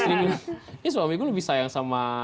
ini suami gue lebih sayang sama